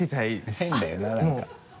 変だよな何か。